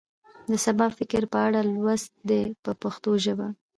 د سبا فکر په اړه لوست دی په پښتو ژبه.